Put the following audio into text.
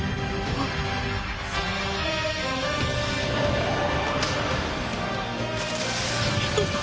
あっ！